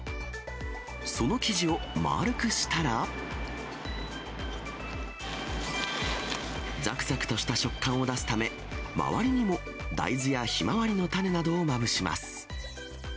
その生地をまあるくしたら、ざくざくとした食感を出すため、周りにも大豆やひまわりの種などをまぶします。